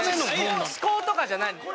思考とかじゃないのよ。